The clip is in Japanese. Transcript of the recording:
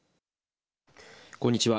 こんにちは。